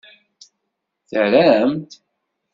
Terram-d.